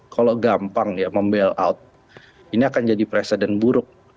kalau gampang ya membail out ini akan jadi presiden buruk